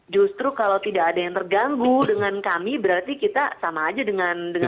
justru kalau tidak ada yang terganggu dengan kami berarti kita sama aja dengan